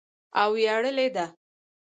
او ویاړلې ده.